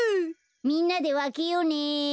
みんなでわけようね。